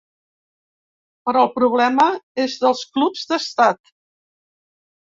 Però el problema és dels clubs d’estat.